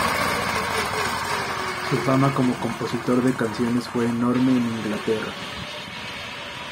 Su fama como compositor de canciones fue enorme en Inglaterra.